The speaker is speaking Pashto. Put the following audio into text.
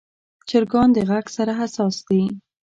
چرګان د غږ سره حساس دي.